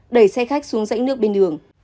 đẩy xe khách xuống rãnh nước bên đường